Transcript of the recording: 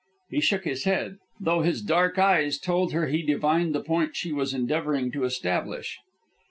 He shook his head, though his dark eyes told her he divined the point she was endeavoring to establish.